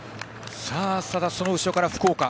ただその後ろから福岡。